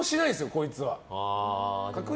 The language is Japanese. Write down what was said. こいつは。